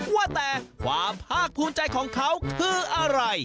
ว่าแต่ความภาคภูมิใจของเขาคืออะไร